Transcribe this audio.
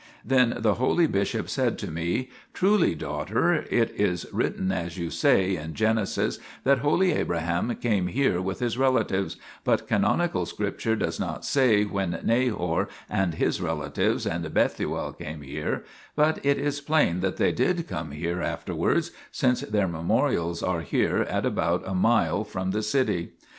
2 Then the holy bishop said to me :" Truly, daughter, it is written as you say, in Genesis, that holy Abraham came here with his relatives, but canonical Scripture docs not say when Nahor and his relatives and Bethuel came here, but it is plain that they did come here afterwards, since their memorials are here at about a mile from the city.